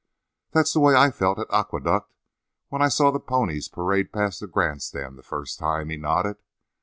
"That's the way I felt at Aqueduct when I saw the ponies parade past the grand stand the first time," he nodded.